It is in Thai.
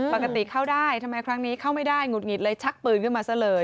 ปกติเข้าได้ทำไมครั้งนี้เข้าไม่ได้หงุดหงิดเลยชักปืนขึ้นมาซะเลย